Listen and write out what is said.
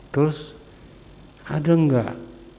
terus ada enggak